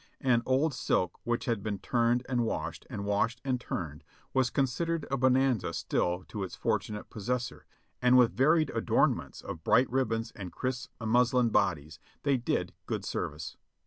An old silk which had been turned and washed, and washed and turned, was considered a bonanza still to its fortunate possessor, and with varied adornments of bright rib bons and crisp muslin bodies, they did good service.